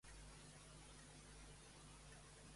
Segons Anaximandre de Milet, fou deixeble de Diògenes Laerci.